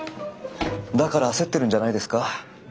だから焦ってるんじゃないですか。